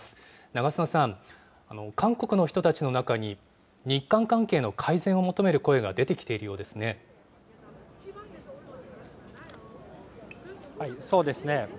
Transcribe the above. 長砂さん、韓国の人たちの中に日韓関係の改善を求める声が出てきているようそうですね。